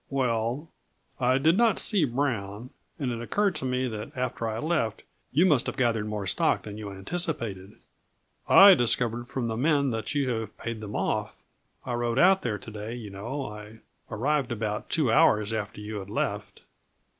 "Well, I did not see Brown, and it occurred to me that after I left you must have gathered more stock than you anticipated. I discovered from the men that you have paid them off. I rode out there to day, you know. I arrived about two hours after you had left."